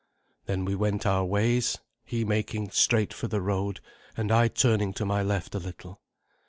Then we went our ways, he making straight for the road, and I turning to my left a little.